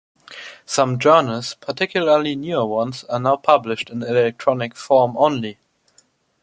Some journals, particularly newer ones, are now published in electronic form only.